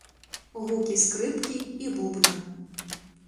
Гукі скрыпкі і бубна.